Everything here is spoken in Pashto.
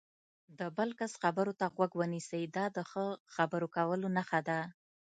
د بل کس خبرو ته غوږ ونیسئ، دا د ښه خبرو کولو نښه ده.